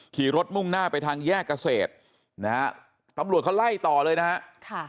ขี่รถมุ่งหน้าไปทางแยกเกษตรนะฮะตำรวจเขาไล่ต่อเลยนะฮะค่ะ